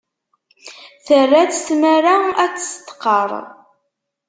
Terra-tt tmara ad testqerr.